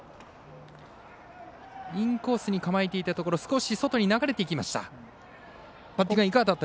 インコースに構えていたところ少し外に流れていきました。